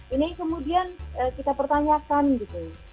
ini kemudian kita pertanyakan gitu